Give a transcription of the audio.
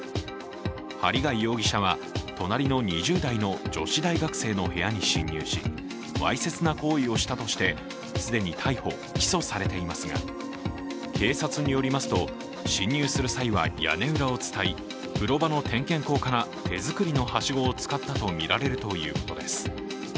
針谷容疑者は、隣の２０代の女子大学生の部屋に侵入しわいせつな行為をしたとして既に逮捕・起訴されていますが、警察によりますと侵入する際は屋根裏を伝い風呂場の点検口から手作りのはしごを使ったとみられるということです。